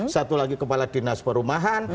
satu lagi kepala dinas perumahan